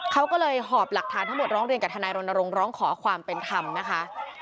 เขาก็เลยหอบหลักฐานทั้งหมดร้องเรียนกับทนายรณรงค์ร้องขอความเป็นธรรมนะคะ